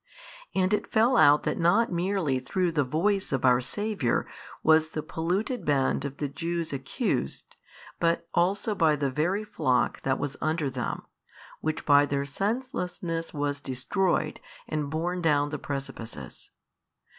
And it fell out that not merely through the Voice of our Saviour was the polluted band of the Jews accused, but also by the very flock that was under them, which by their senselessness was destroyed and borne down the precipices.